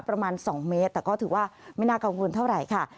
ประมาณ๒เมตรแต่ก็ถือว่าไม่น่ากังวลเท่าไหร่ค่ะ